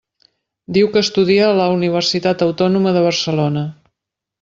Diu que estudia a la Universitat Autònoma de Barcelona.